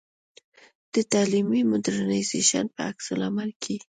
د تعلیمي مډرنیزېشن په عکس العمل کې.